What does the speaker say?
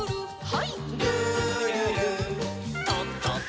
はい。